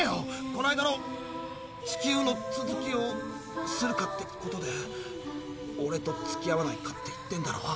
この間の地球の続きをするかってことでオレとつきあわないかって言ってんだろ。